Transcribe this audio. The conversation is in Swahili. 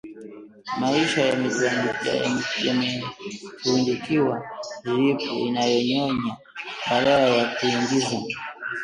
Maisha yametundikiwa dripu inayonyonya badala ya kuingiza